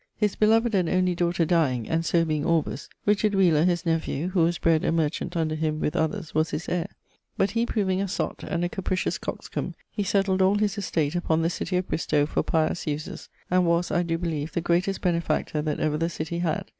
His beloved and only daughter dyeing, and so being orbus, Richard Wheeler his nephew, who was bred a merchant under him with others, was his heir; but he proving a sott and a capricious coxcombe, he setled all his estate upon the city of Bristow for pious uses, and was, I doe believe, the greatest benefactor that ever the city had.